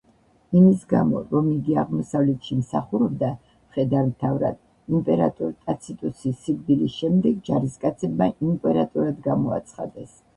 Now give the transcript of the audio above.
იმის გამო, რომ იგი აღმოსავლეთში მსახურობდა მხედართმთავრად, იმპერატორ ტაციტუსის სიკვდილის შემდეგ ჯარისკაცებმა იმპერატორად გამოაცხადეს.